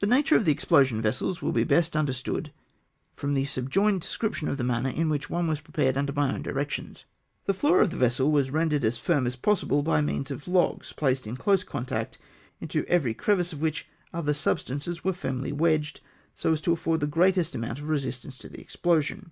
The natm^e of the explosion vessels will be best understood from the subjoined description of tlie manner in which one was prepared under my own directions. The floor of the vessel was rendered as firm as possible, by means of logs placed in close con tact, into every crevice of which other substances were firmly wedged, so as to afford the greatest amount of resistance to the explosion.